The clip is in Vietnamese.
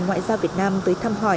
ngoại giao việt nam tới thăm hỏi